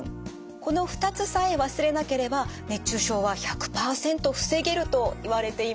この２つさえ忘れなければ熱中症は１００％防げるといわれています。